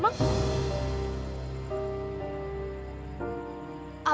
abang pinjem duit dia lagi ya